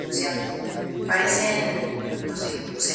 Por su altura, el clima es frío-glacial.